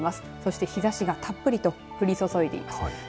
そして日ざしがたっぷりと降り注いでいます。